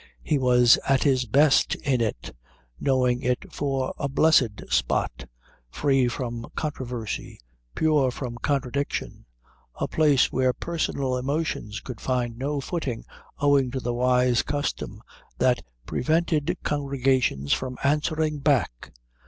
He was at his best in it, knowing it for a blessed spot, free from controversy, pure from contradiction, a place where personal emotions could find no footing owing to the wise custom that prevented congregations from answering back.